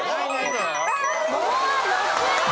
桃は６位。